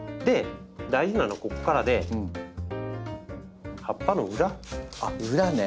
大事なのはここからで葉っぱの裏。あっ裏ね。